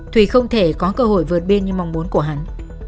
thủy không thể có cơ hội vượt bên như mong muốn của hắn